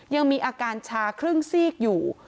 ยังมีอาการชาครึ่งซีกอยู่